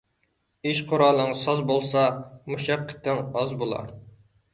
ئىش قۇرالىڭ ساز بولسا، مۇشەققىتىڭ ئاز بولار.